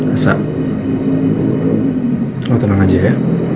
asa lo tenang aja ya